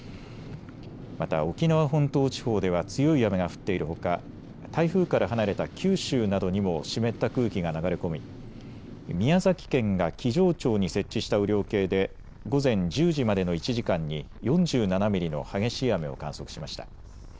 また沖縄本島地方では強い雨が降っているほか台風から離れた九州などにも湿った空気が流れ込み宮崎県が木城町に設置した雨量計で午前１０時までの１時間に４７ミリの激しい雨を観測しました。